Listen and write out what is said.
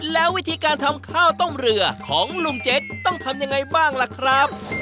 แล้ววิธีการทำข้าวต้มเรือของลุงเจ๊กต้องทำยังไงบ้างล่ะครับ